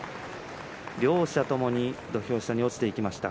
両者ともに土俵下に落ちていきました。